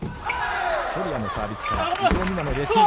ソルヤのサービスから伊藤美誠のレシーブ。